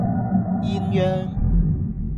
鴛鴦